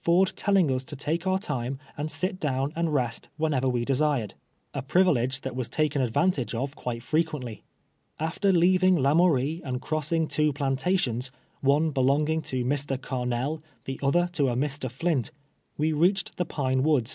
Ford telling us to take our time and sit down and rest whenever we desired — a privilege that was taken advantage of (piite frequently. After leaving Lamourie ami crossing two plantations, one belong ing to I^Ir. Carnell, the other to a Mr. I'lint, avo reach ed the Pino AVood.